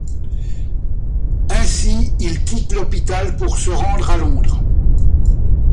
Ainsi il quitte l'hôpital pour se rendre à Londres.